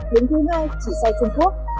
đến thứ hai chỉ sau chân khúc